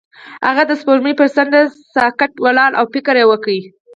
هغه د سپوږمۍ پر څنډه ساکت ولاړ او فکر وکړ.